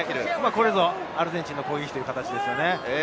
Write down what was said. これぞアルゼンチンの攻撃という展開ですね。